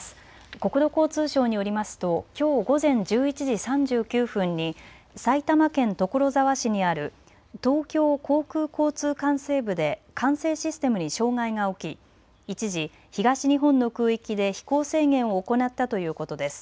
国土交通省によりますときょう午前１１時３９分に埼玉県所沢市にある東京航空交通管制部で管制システムに障害が起き一時、東日本の空域で飛行制限を行ったということです。